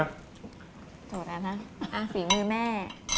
สูตรนะนะอ่ะฝีมือแม่